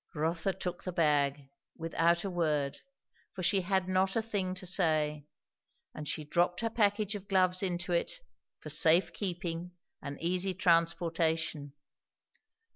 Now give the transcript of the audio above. Rotha took the bag, without a word, for she had not a thing to say; and she dropped her package of gloves into it, for safe keeping and easy transportation.